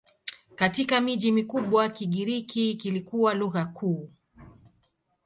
Katika miji mikubwa Kigiriki kilikuwa lugha kuu.